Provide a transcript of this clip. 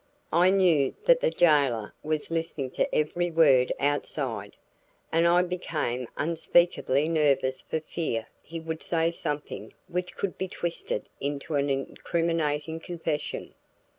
I knew that the jailer was listening to every word outside, and I became unspeakably nervous for fear he would say something which could be twisted into an incriminating confession.